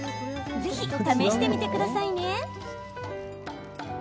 ぜひ、試してみてくださいね。